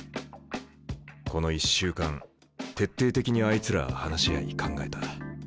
この１週間徹底的にあいつらは話し合い考えた。